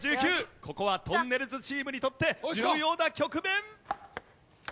ここはとんねるずチームにとって重要な局面！